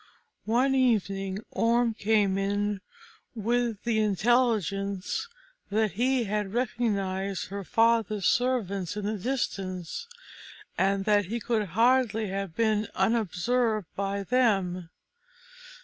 One evening Orm came in with the intelligence that he had recognised her father's servants in the distance, and that he could hardly have been unobserved by them.